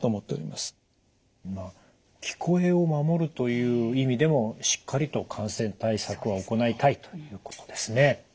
まあ聞こえを守るという意味でもしっかりと感染対策は行いたいということですね。